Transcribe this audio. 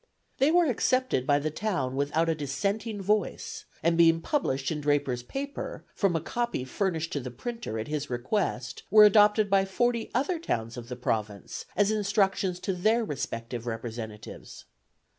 They were accepted by the town without a dissenting voice, and being published in Draper's paper, from a copy furnished to the printer at his request, were adopted by forty other towns of the province, as instructions to their respective representatives.